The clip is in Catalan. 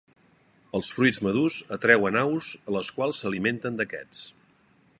Els fruits madurs atreuen aus les quals s'alimenten d'aquests.